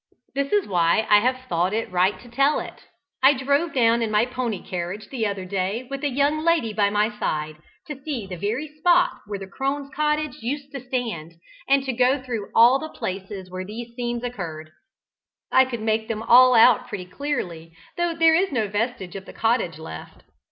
This is why I have thought it right to tell it. I drove down in my pony carriage the other day, with a young lady by my side, to see the very spot where the crones' cottage used to stand, and to go through all the places where these scenes occurred. I could make them all out pretty clearly, though there is no vestige of the cottage left.